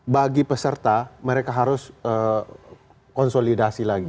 bagi peserta mereka harus konsolidasi lagi